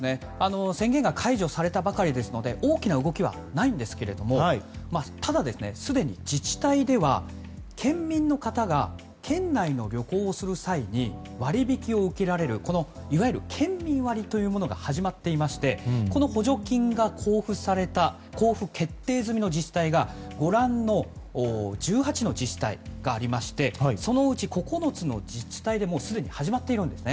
宣言が解除されたばかりですので大きな動きはないんですがただ、すでに自治体では県民の方が県内の旅行をする際に割り引きを受けられるいわゆる県民割というものが始まっていましてこの補助金が交付された交付決定済みの自治体がご覧の１８の自治体がありましてそのうち９つの自治体ですでに始まっているんです。